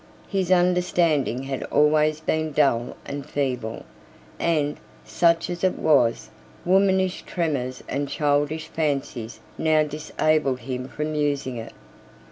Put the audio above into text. His understanding had always been dull and feeble; and, such as it was, womanish tremors and childish fancies now disabled him from using it.